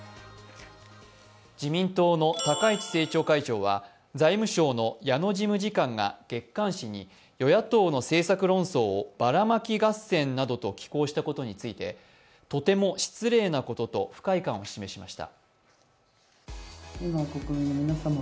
自民党の高市政調会長は財務省の矢野事務次官が月刊誌に与野党の政策論争をばらまき合戦などと寄稿したことについてとても失礼なことと不快感を示しました。